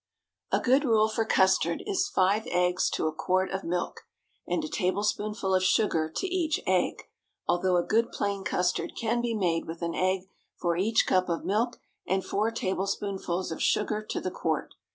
A good rule for custard is five eggs to a quart of milk, and a tablespoonful of sugar to each egg, although a good plain custard can be made with an egg for each cup of milk and four tablespoonfuls of sugar to the quart.